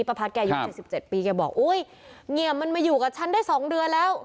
ประพัดแกอายุ๗๗ปีแกบอกอุ๊ยเงียบมันมาอยู่กับฉันได้๒เดือนแล้ว